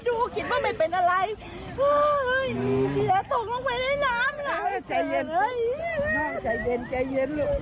อุ๊ย